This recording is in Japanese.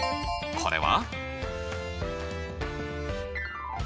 これは？